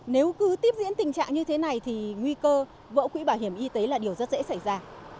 nếu cứ tiếp diễn tình trạng như thế này thì nguy cơ vỡ quỹ bảo hiểm y tế là điều rất dễ xảy ra